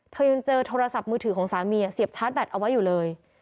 เธอยังเจอโทรศัพท์มือถือของสามีเสียบชาร์จแบตเอาไว้อยู่เลย